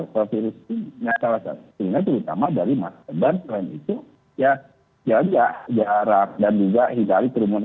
atau virus ini terutama dari masyarakat lainnya itu ya ya jarak dan juga hidup dari terumun